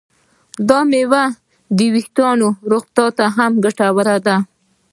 دا میوه د ویښتانو روغتیا ته هم ګټوره ده.